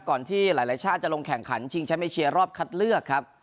ที่หลายชาติจะลงแข่งขันชิงแชมป์เอเชียรอบคัดเลือกครับ